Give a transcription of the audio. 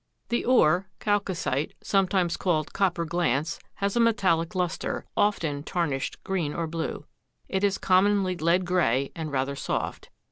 The ore chalcocite, sometimes called copper glance, has a metallic luster, often tarnished green or blue. It is commonly lead gray and rather soft.